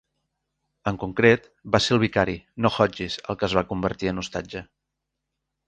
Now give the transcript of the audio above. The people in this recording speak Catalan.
En concret, va ser el vicari, no Hodges, el que es va convertir en ostatge.